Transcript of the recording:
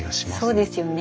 そうですよね。